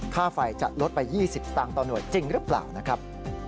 ค่าไฟจะลดไป๒๐สตางค์ต่อหน่วยจริงหรือเปล่านะครับ